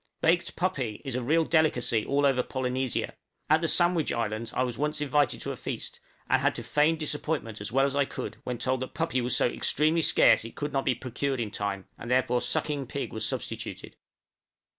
Baked puppy is a real delicacy all over Polynesia: at the Sandwich Islands I was once invited to a feast, and had to feign disappointment as well as I could when told that puppy was so extremely scarce it could not be procured in time, and therefore sucking pig was substituted!